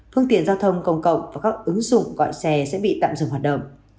phương tiện giao thông công cộng và các ứng dụng gọi xe sẽ bị tạm dừng hoạt động